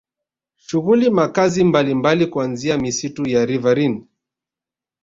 Shughuli makazi mbalimbali kuanzia misitu ya riverine